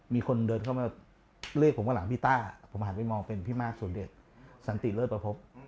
มีคนเดินเข้ามาเรียกผมข้างหลังพี่ต้าผมหันไปมองเป็นพี่มากสมเด็จสันติเลิศประพบ